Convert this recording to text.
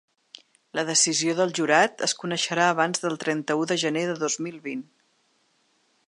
La decisió del jurat es coneixerà abans del trenta-u de gener de dos mil vint.